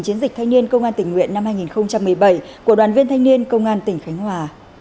chiến dịch thanh niên công an tỉnh nguyện năm hai nghìn một mươi bảy của đoàn viên thanh niên công an tỉnh khánh hòa